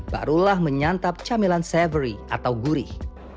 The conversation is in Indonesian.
barulah menyantap camilan savery atau gurih